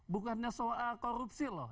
bukannya soal korupsi loh